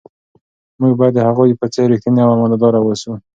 موږ باید د هغوی په څیر ریښتیني او امانتدار واوسو.